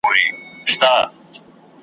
نور پر دوی وه قرآنونه قسمونه .